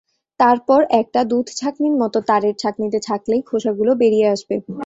তারপর একটা দুধছাঁকনির মত তারের ছাঁকনিতে ছাঁকলেই খোসাগুলো বেরিয়ে আসবে।